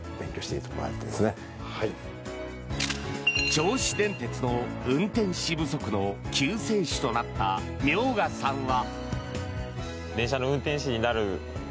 銚子電鉄の運転士不足の救世主となった明賀さんは。